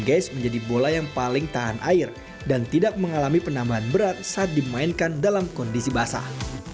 gay menjadi bola yang paling tahan air dan tidak mengalami penambahan berat saat dimainkan dalam kondisi basah